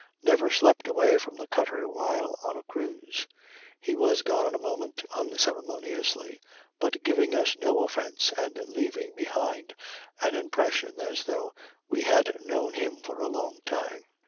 Never slept away from the cutter while on a cruise. He was gone in a moment, unceremoniously, but giving us no offence and leaving behind an impression as though we had known him for a long time.